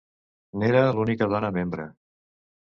N'era l'única dona membre.